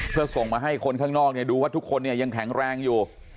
เพื่อส่งมาให้คนข้างนอกดูว่าทุกคนเนี่ยยังแข็งแรงอยู่